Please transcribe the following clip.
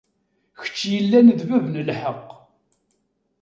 Kečč yellan d bab n lḥeqq.